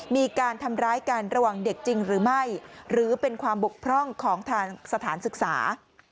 มีการทำร้ายกันระหว่างเด็กจริงหรือไม่หรือเป็นความบกพร่องของทางสถานศึกษา